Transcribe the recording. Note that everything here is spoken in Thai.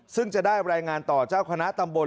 ซึ่งจะได้รายงานต่อเจ้าคณะตำบล